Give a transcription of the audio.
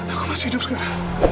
aku masih hidup sekarang